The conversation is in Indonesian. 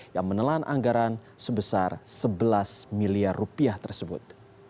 yang menelan anggaran sebesar sebelas miliar rupiah tersebut